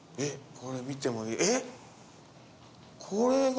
これ見てもえっ？